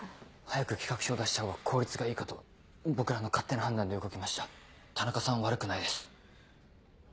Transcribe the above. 早く企画書を出したほうが効率がいいかと僕らの勝手な判断で動きました田中さんは悪くないです。